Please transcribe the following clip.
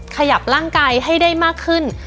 ขยับร่างกายให้ได้มากขึ้น